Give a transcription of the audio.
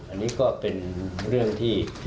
อันนี้ก็เป็นเรื่องที่